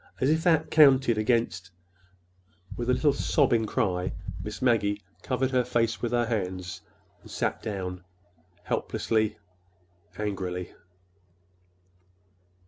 As if that counted against—" With a little sobbing cry Miss Maggie covered her face with her hands and sat down, helplessly, angrily.